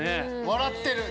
「笑ってる」。